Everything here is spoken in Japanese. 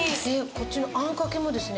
こっちのあんかけもですね